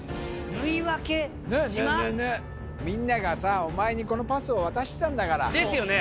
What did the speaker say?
ぬぬぬみんながさお前にこのパスを渡してたんだからですよね